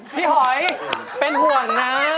หอยเป็นห่วงนะ